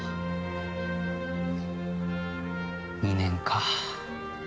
２年か。